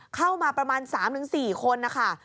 เข้ามาประมาณ๓๔คนนะคะ